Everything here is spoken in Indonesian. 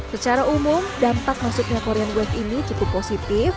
secara umum dampak maksudnya korean wave ini cukup positif